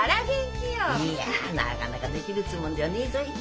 いやなかなかできるっつうもんではねえぞい。